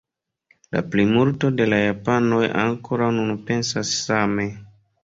La plimulto de la japanoj ankoraŭ nun pensas same.